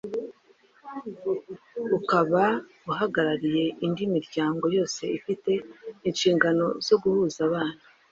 ukaba uhagarariye indi miryango yose ifite inshingano zo guhuza abana